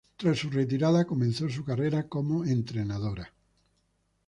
Tras su retirada, comenzó su carrera como entrenadora.